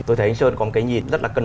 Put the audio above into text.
tôi thấy anh sơn có một cái nhìn rất là cân